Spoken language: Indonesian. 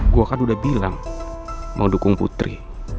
gue kan udah bilang mau dukung putri